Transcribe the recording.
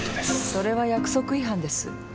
それは約束違反です。